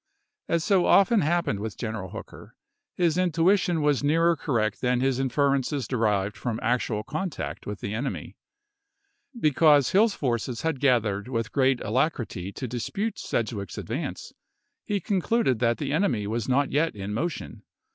As so often happened with General Hooker, his intuition was nearer correct than his inferences derived from actual contact with the enemy. Be 204 ABEAHAM LINCOLN ch. viii. cause Hill's force had gathered with great alacrity to dispute Sedgwick's advance, he concluded that the enemy was not yet in motion.